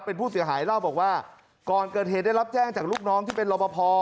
เป็นผู้เสียหายเล่าบอกว่าก่อนเกิดเหตุได้รับแจ้งจากลูกน้องที่เป็นรอบพอ